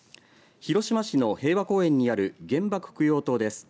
広島市の平和公園にある原爆供養塔です。